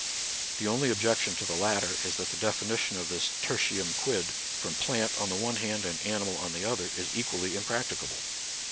The only objection to the latter is that the definition of this tertinm quid from plant on the one hand and animal on the other is equally impracticable.